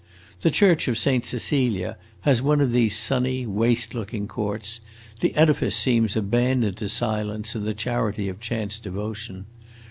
The church of Saint Cecilia has one of these sunny, waste looking courts; the edifice seems abandoned to silence and the charity of chance devotion.